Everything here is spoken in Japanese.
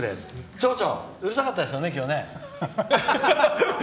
町長、今日うるさかったですよね、今日ね。